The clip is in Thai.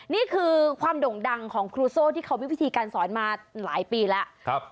นี่คือความโด่งดังของครูโซ่ที่เขามีวิธีการสอนมาหลายปีแล้ว